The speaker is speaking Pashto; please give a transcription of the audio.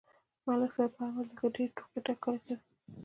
ملک صاحب په هر مجلس کې ډېرې ټوقې ټکالې کوي.